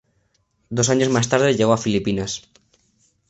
Dos años más tarde llegó a las Filipinas.